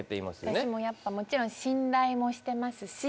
私もやっぱもちろん信頼もしてますし。